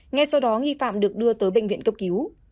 ngay sau đó nghi phạm được đưa tới bệnh viện cấp cứu